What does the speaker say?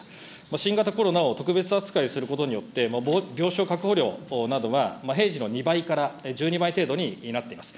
新型コロナを特別扱いすることによって、病床確保りょうなどが平時の２倍から１２倍程度になっています。